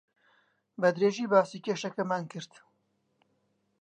بەدرێژی باسی کێشەکەمان کرد.